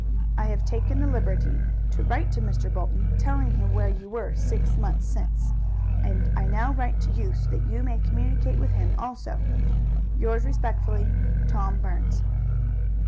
I have taken the liberty to write to Mr. Bolton, telling him where you were six months since, and I now write to you so that you may communicate with him also. Yours respectfully, Tom Burns.